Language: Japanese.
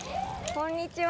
こんにちは！